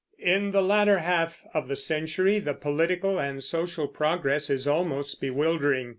In the latter half of the century the political and social progress is almost bewildering.